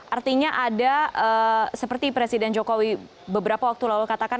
artinya ada seperti presiden jokowi beberapa waktu lalu katakan